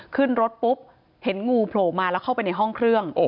ขึ้นรถปุ๊บเห็นงูโผล่มาแล้วเข้าไปในห้องเครื่อง